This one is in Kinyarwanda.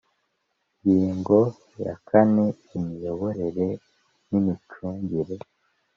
ngingo ya kane Imiyoborere n imicungire